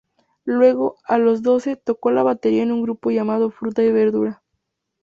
Luego, a los doce, tocó la batería en un grupo llamado Fruta y Verdura.